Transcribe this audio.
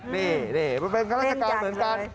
นี่เป็นฆาตรราชการเหมือนกัน